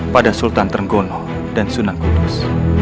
pada sultan trenggono dan sunan kudus